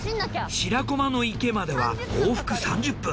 白駒の池までは往復３０分。